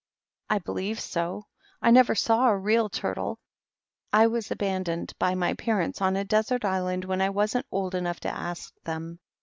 " I believe so. I never saw a Real Turtle. I was abandoned by my parents on a desert island when I wasn't old enough to ask them.